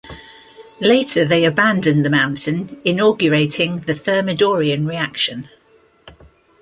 Later they abandoned the Mountain inaugurating the Thermidorian Reaction.